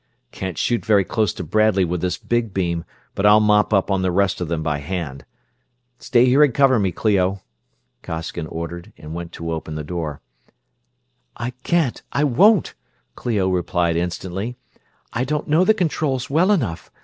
"Can't shoot very close to Bradley with this big beam, but I'll mop up on the rest of them by hand. Stay here and cover me, Clio!" Costigan ordered, and went to open the door. "I can't I won't!" Clio replied instantly. "I don't know the controls well enough.